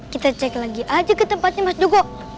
kita cek lagi aja ke tempatnya mas dugo